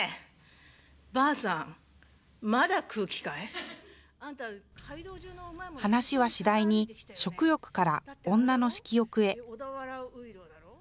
ばあさん、はなしは次第に食欲から女の色欲へ。